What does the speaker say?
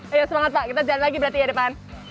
ayo semangat pak kita jalan lagi berarti ya depan